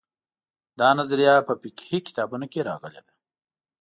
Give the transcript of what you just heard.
دا نظریه په فقهي کتابونو کې راغلې ده.